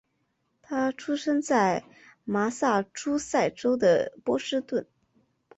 他出生在麻萨诸塞州的波士顿。